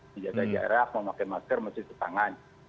menjaga jarak memakai marker mencari pertanganan